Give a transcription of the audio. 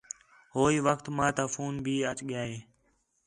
ہوئی وخت ماں تا فون بھی اَچ ڳِیا ہِے